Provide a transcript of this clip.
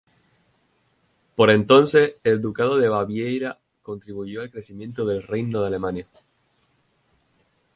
Por entonces, el ducado de Baviera contribuyó al crecimiento del Reino de Alemania.